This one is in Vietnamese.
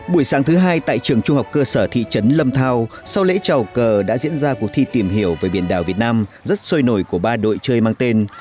buổi sáng thứ hai tại trường trung học cơ sở thị trấn lâm thao sau lễ trào cờ đã diễn ra cuộc thi tìm hiểu về biển đảo việt nam rất sôi nổi của ba đội chơi mang tên